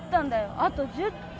あと１０点！